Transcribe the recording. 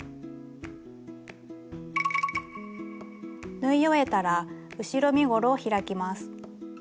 縫い終えたら後ろ身ごろを開きます。